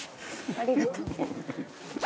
ありがとう。